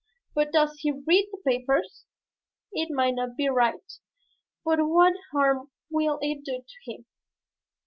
But does he read the papers? It may not be right but what harm will it do him?